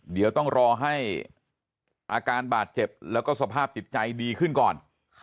เดี๋ยวต้องรอให้อาการบาดเจ็บแล้วก็สภาพจิตใจดีขึ้นก่อน